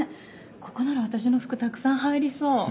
ここなら私の服たくさん入りそう。